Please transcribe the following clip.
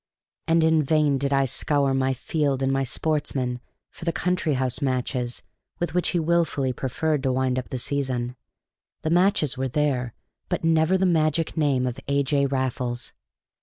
And in vain did I scour my Field and my Sportsman for the country house matches with which he wilfully preferred to wind up the season; the matches were there, but never the magic name of A. J. Raffles.